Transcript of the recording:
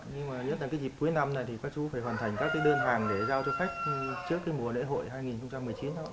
nhưng mà nhất là cái dịp cuối năm này thì các chú phải hoàn thành các cái đơn hàng để giao cho khách trước cái mùa lễ hội hai nghìn một mươi chín thôi